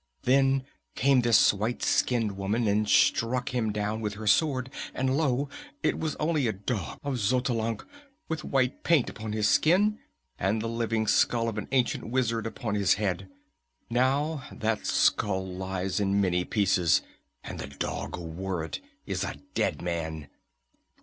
Then came this white skinned woman and struck him down with her sword; and lo, it was only a dog of Xotalanc with white paint upon his skin and the living skull of an ancient wizard upon his head! Now that skull lies in many pieces, and the dog who wore it is a dead man!"